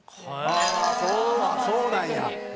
ああそうなんや。